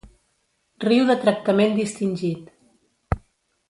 Riu de tractament distingit.